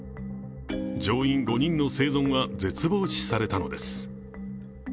乗員５人の生存は絶望視されたのです。